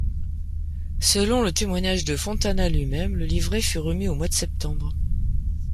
Selon le témoignage de Fontana lui-même, le livret fut remis au mois de septembre.